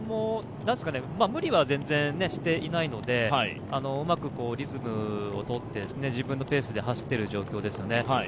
無理は全然していないので、うまくリズムをとって、自分のペースで走っている状況ですね。